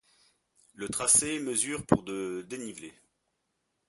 Le tracé mesure pour de dénivelé.